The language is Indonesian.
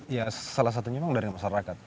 ya salah satunya memang dari masyarakat